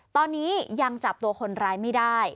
ตอนนี้ยังจับตัวคนร้ายไม่ได้